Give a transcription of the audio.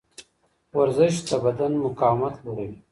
ورزش د بدن مقاومت لوړوي.